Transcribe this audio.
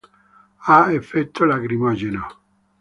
Ha effetto lacrimogeno.